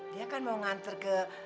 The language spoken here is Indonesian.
dia kan mau nganter ke